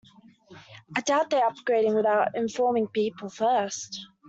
I doubt they're upgrading without informing people first.